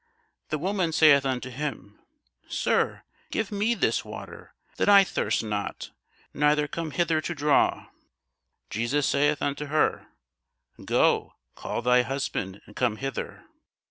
The woman saith unto him, Sir, give me this water, that I thirst not, neither come hither to draw. Jesus saith unto her, Go, call thy husband, and come hither.